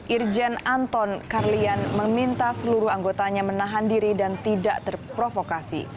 irjen anton karlian meminta seluruh anggotanya menahan diri dan tidak terprovokasi